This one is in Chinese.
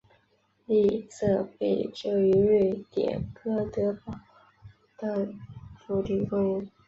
利瑟贝里是位于瑞典哥德堡的主题公园。